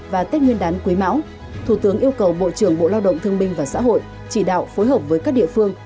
và tết nguyên đán quý mão thủ tướng yêu cầu bộ trưởng bộ lao động thương binh và xã hội chỉ đạo phối hợp với các địa phương